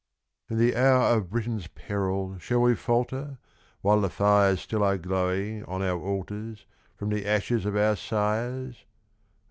In the hour of Britain's peril Shall we falter, while the fires Still are glowing on our altars From the ashes of our sires?